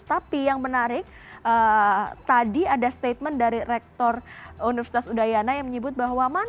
tapi yang menarik tadi ada statement dari rektor universitas udayana yang menyebut bahwa